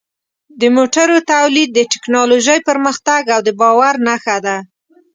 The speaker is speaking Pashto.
د موټرو تولید د ټکنالوژۍ پرمختګ او د باور نښه ده.